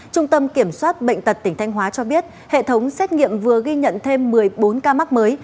trung tâm kiểm soát bệnh tật tỉnh thanh hóa cho biết hệ thống xét nghiệm vừa ghi nhận thêm một mươi bốn ca mắc mới